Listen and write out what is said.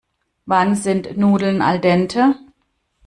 Wann sind Nudeln al dente?